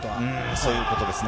そういうことですね。